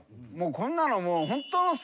こんなのもう。